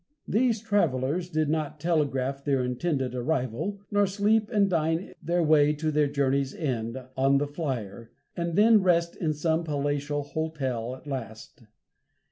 These travelers did not telegraph their intended arrival, nor sleep and dine their way to their journey's end, on the "Flyer," and then rest in some palatial hotel at last.